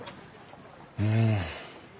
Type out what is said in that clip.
うん。